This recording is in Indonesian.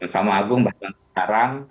sama agung bahkan sekarang